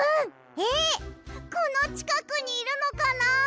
えっこのちかくにいるのかなあ？